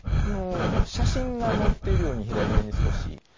写真が載っているように、左上に、少し。